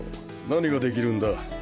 何ができるんだ？